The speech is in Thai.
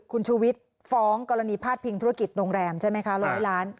คุณชูวิทย์ฟ้องกรณีพาดพิงธุรกิจโรงแรมใช่ไหมคะร้อยล้าน